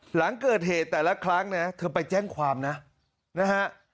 หลังเกิดเหตุแต่ละครั้งนะเธอไปแจ้งความนะนะฮะ